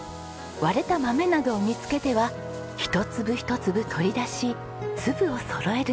割れた豆などを見つけては一粒一粒取り出し粒をそろえるんです。